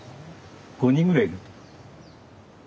５人ぐらい要る。